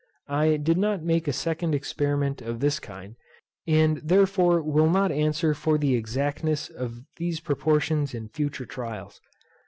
I did not make a second experiment of this kind, and therefore will not answer for the exactness of these proportions in future trials.